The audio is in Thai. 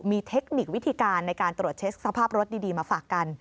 มีเทคนิควิธีการในการตรวจเช็คสภาพรถดีมาฝากกัน